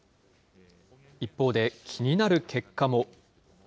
一方で、気になる結果も。